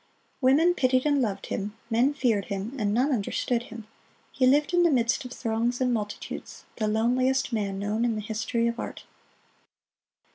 Women pitied and loved him, men feared him, and none understood him. He lived in the midst of throngs and multitudes the loneliest man known in the history of art.